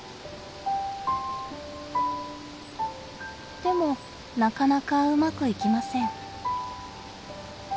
でもなかなかうまくいきません。